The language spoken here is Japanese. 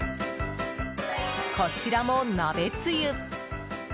こちらも鍋つゆ。